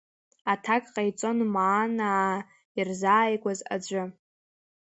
Аҭак ҟаиҵон Маанаа ирзааигәаз аӡәы.